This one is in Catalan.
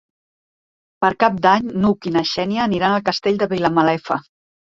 Per Cap d'Any n'Hug i na Xènia aniran al Castell de Vilamalefa.